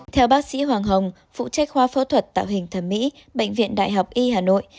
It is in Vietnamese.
theo bác sĩ hoàng hồng phụ trách khoa phẫu thuật tạo hình thẩm mỹ bệnh viện đại học y hà nội